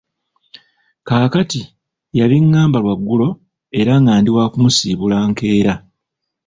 Kaakati yabingamba lwaggulo era nga ndi waakumusiibula nkeera.